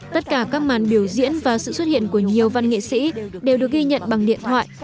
tất cả các màn biểu diễn và sự xuất hiện của nhiều văn nghệ sĩ đều được ghi nhận bằng điện thoại